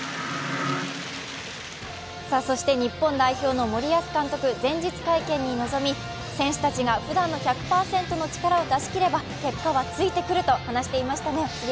日本代表の森保監督、前日会見に臨み、選手たちがふだんの１００％の力を出しきれば結果はついてくると話していましたね。